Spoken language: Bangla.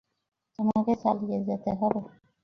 তোমাকে চালিয়ে যেতে হবে।